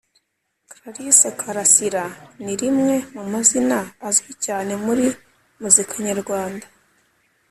Clarisse Karasira ni rimwe mu mazina azwi cyane muri muzika nyarwanda.